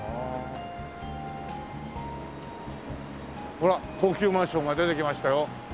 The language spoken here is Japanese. ほら高級マンションが出てきましたよ。